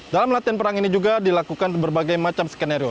dalam latihan perang ini juga dilakukan berbagai macam skenario